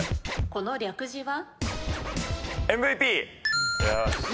この略字は？